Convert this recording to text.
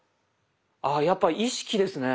あやっぱ意識ですね。